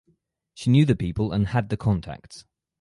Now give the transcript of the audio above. She knew the people and "had the contacts".